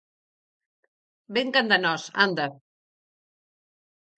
Vén canda nós, anda.